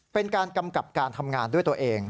เป็นการกำกับการทำงานด้วยตัวเอง